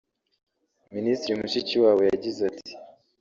Minisitiri Mushikiwabo yagize ati